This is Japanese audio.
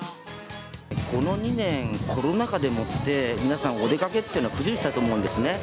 この２年、コロナ禍でもって、皆さん、お出かけというのは不自由したと思うんですね。